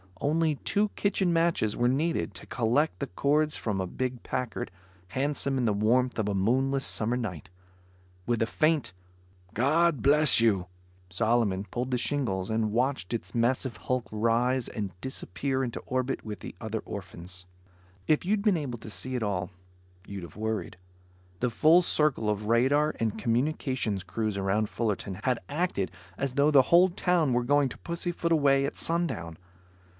Only two kitchen matches were needed to collect the cords from a big Packard, handsome in the warmth of a moonless summer night. With a faint "God Bless You," Solomon pulled the shingles and watched its massive hulk rise and disappear into orbit with his other orphans. If you'd been able to see it all, you'd have worried. The full circle of radar and communications crews around Fullerton had acted as though the whole town were going to pussyfoot away at sundown.